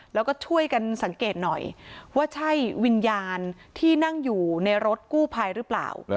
แล้วก็ช่วยกันสังเกตหน่อยว่าใช่วิญญาณที่นั่งอยู่ในรถกู้ภัยหรือเปล่า